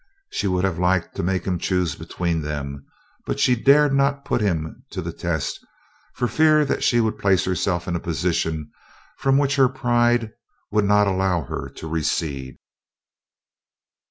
She would have liked to make him choose between them, but she dared not put him to the test for fear that she would place herself in a position from which her pride would not allow her to recede.